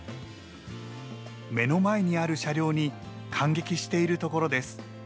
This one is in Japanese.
目の前にある車両に感激しているところです。